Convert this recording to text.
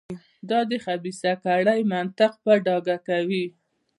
دا د خبیثه کړۍ منطق په ډاګه کوي.